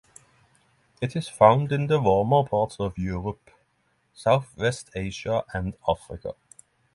It is found in the warmer parts of Europe, southwest Asia and Africa.